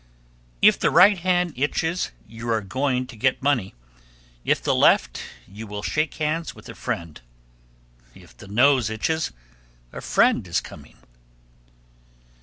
_ 1292. If the right hand itches, you are going to get money; if the left, you will shake hands with a friend. If the nose itches, a friend is coming.